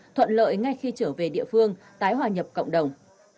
thuận lợi ngay khi trở về địa phương tái hòa nhập cộng đồng